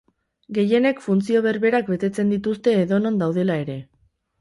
Gehienek funtzio berberak betetzen dituzte edonon daudela ere.